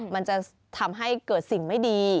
มันจะทำให้เกิดสิ่งไม่ดี